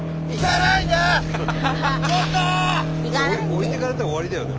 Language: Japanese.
置いていかれたら終わりだよね。